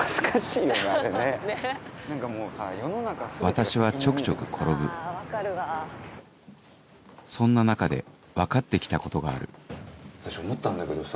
私はちょくちょく転ぶそんな中で分かって来たことがある私思ったんだけどさ。